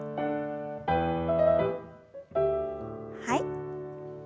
はい。